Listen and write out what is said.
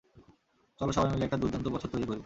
চল সবাই মিলে একটা দুর্দান্ত বছর তৈরি করি!